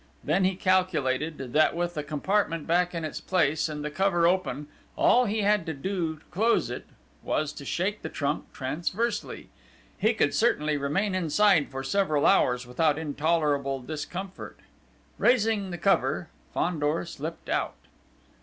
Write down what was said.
Then he calculated, that with the compartment back in its place and the cover open, all he had to do to close it was to shake the trunk transversely. He could certainly remain inside for several hours without intolerable discomfort. Raising the cover, Fandor slipped out.